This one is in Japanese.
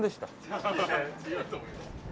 いや違うと思います。